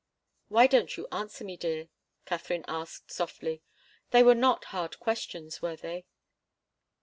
"Why don't you answer me, dear?" Katharine asked softly. "They were not hard questions, were they?"